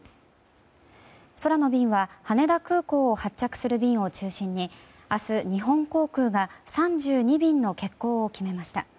空の便は羽田空港を発着する便を中心に明日、日本航空が３２便の欠航を決めました。